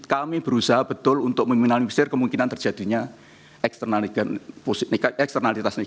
kami berusaha betul untuk meminimalisir kemungkinan terjadinya eksternalitas ini